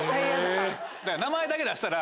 名前だけ出したら。